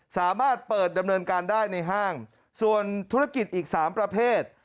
สามารถเปิดดำเนินการได้ในห้างส่วนธุรกิจอีก๓ประเภท